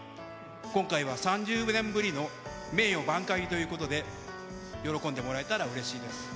今回は３０年ぶりの名誉挽回ということで、喜んでもらえたらうれしいです。